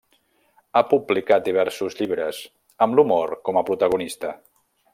Ha publicat diversos llibres, amb l'humor com a protagonista.